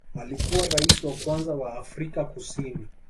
Alikuwa rais wa kwanza wa Afrika Kusini